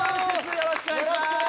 よろしくお願いします